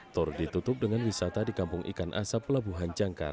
tor ditutup dengan wisata di kampung ikan asap pelabuhan jangkar